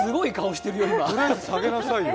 とりあえず下げなさいよ。